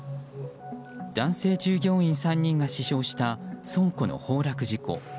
男性従業員３人が死傷した倉庫の崩落事故。